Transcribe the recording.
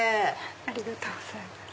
ありがとうございます。